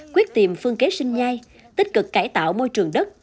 quyết tìm phương kế sinh nhai tích cực cải tạo môi trường đất